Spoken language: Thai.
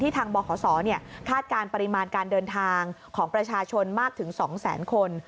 ทางบขศคาดการณ์ปริมาณการเดินทางของประชาชนมากถึง๒แสนคน